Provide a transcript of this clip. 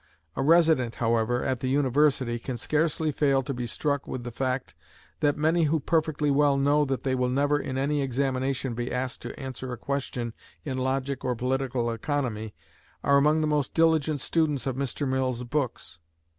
A resident, however, at the university can scarcely fail to be struck with the fact, that many who perfectly well know that they will never in any examination be asked to answer a question in logic or political economy are among the most diligent students of Mr. Mill's books.